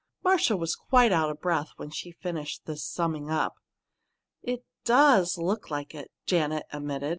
Marcia was quite out of breath when she finished this summing up. "It does look like it," Janet admitted.